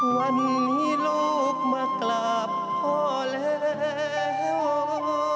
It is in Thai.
วันนี้ลูกมากราบพ่อแล้ว